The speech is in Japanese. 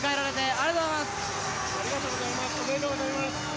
ありがとうございます。